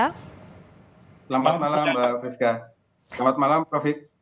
selamat malam mbak friska selamat malam prof hik